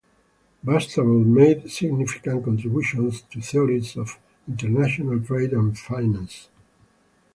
Bastable made significant contributions to theories of international trade and finance.